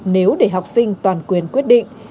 nếu để học sinh toàn quyền quyết định